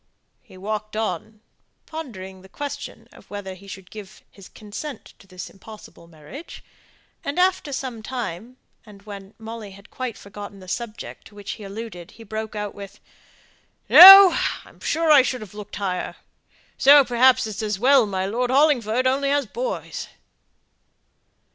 He walked on, pondering the question of whether he could have given his consent to this impossible marriage; and after some time, and when Molly had quite forgotten the subject to which he alluded, he broke out with "No! I'm sure I should have looked higher. So, perhaps, it's as well my Lord Hollingford has only boys."